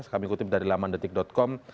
kami kutip dari lamandetik com